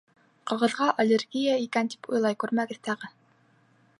Ҡағыҙға аллергия икән тип уйлай күрмәгеҙ тағы.